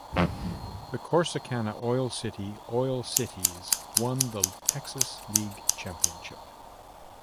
The Corsicana Oil City Oil Citys won the Texas League championship.